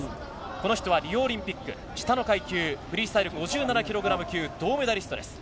この人はリオオリンピック下の階級フリースタイル５７ｋｇ級の銅メダリストです。